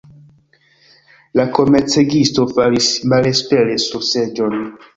La komercegisto falis malespere sur seĝon.